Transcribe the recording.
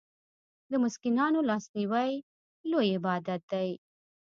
د مسکینانو لاسنیوی لوی عبادت دی.